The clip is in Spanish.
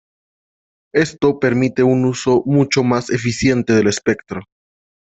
Esto permite un uso mucho más eficiente del espectro.